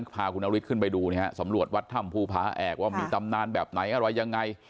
พาคุณนฤทธิขึ้นไปดูนะฮะสำรวจวัดถ้ำภูผาแอกว่ามีตำนานแบบไหนอะไรยังไง